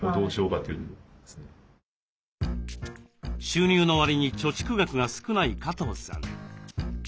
収入のわりに貯蓄額が少ない加藤さん。